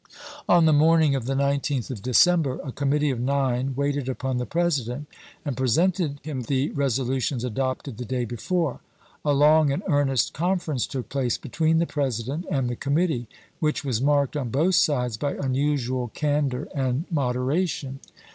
1862. On the morning of the 19th of December, a com mittee of nine waited upon the President and pre sented him the resolutions adopted the day before. A long and earnest conference took place between the President and the Committee which was marked on both sides by unusual candor and mod eration.